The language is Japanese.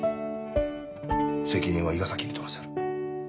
責任は伊賀崎に取らせる。